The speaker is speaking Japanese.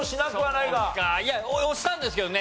いや押したんですけどね。